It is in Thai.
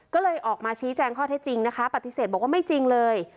ก็เลยออกมาชี้แจงข้อเท็จจริงนะคะปฏิเสธบอกว่าไม่จริงเลย